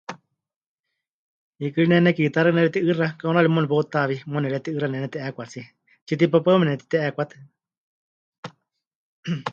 Hiikɨ ri ne nekiitá xeikɨ́a nepɨreti'ɨɨxa, kaunari muuwa nepeutawie, muuwa nepɨreti'ɨɨxa nemɨneti'eekwatsie, tsitipapáɨmeme netiti'eekwatɨ.